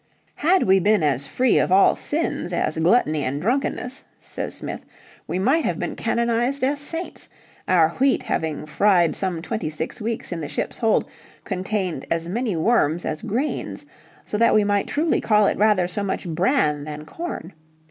"Had we been as free of all sins as gluttony and drunkenness," says Smith, "we might have been canonised as saints, our wheat having fried some twenty six weeks in the ship's hold, contained as many worms as grains, so that we might truly call it rather so much bran than corn.